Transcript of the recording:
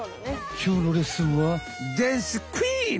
きょうのレッスンはダンスクイーン！